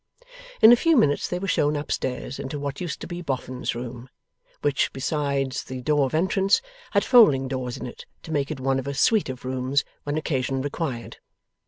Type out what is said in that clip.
In a few minutes they were shown upstairs into what used to be Boffin's room; which, besides the door of entrance, had folding doors in it, to make it one of a suite of rooms when occasion required.